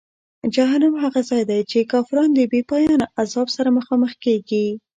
جهنم هغه ځای دی چې کافران د بېپایانه عذاب سره مخامخ کیږي.